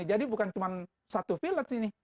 jadi bukan cuma satu village ini